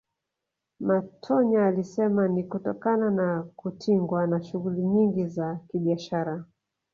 Matonya alisema ni kutokana na kutingwa na shughuli nyingi za kibiashara